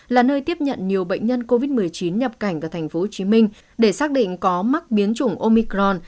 là nơi tiếp nhận nhiều bệnh nhân covid một mươi chín nhập cảnh vào tp hcm để xác định có mắc biến chủng omicron